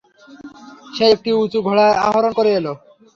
সে একটি উঁচু ঘোড়ায় আরোহণ করে এল।